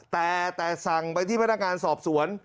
แต่สั่งไปที่พนักงานสอบสวน